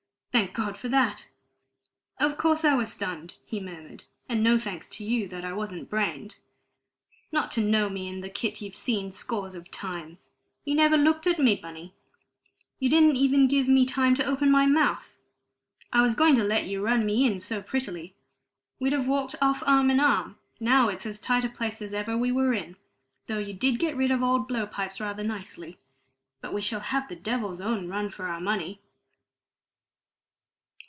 "Thank God for that!" "Of course I was stunned," he murmured, "and no thanks to you that I wasn't brained. Not to know me in the kit you've seen scores of times! You never looked at me, Bunny; you didn't give me time to open my mouth. I was going to let you run me in so prettily! We'd have walked off arm in arm; now it's as tight a place as ever we were in, though you did get rid of old blow pipes rather nicely. But we shall have the devil's own run for our money!"